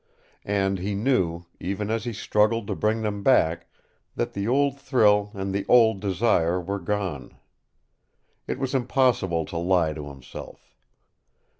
And he knew, even as he struggled to bring them back, that the old thrill and the old desire were gone. It was impossible to lie to himself.